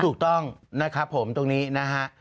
ถูกต้องนะครับผมตรงนี้นะฮะ